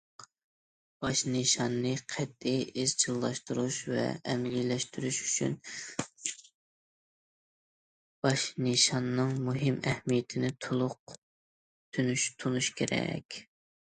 باش نىشاننى قەتئىي ئىزچىللاشتۇرۇش ۋە ئەمەلىيلەشتۈرۈش ئۈچۈن، باش نىشاننىڭ مۇھىم ئەھمىيىتىنى تولۇق تونۇش كېرەك.